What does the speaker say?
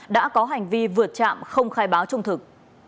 đã có hành vi vượt trạm không khai báo trung thực